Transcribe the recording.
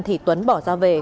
thì tuấn bỏ ra về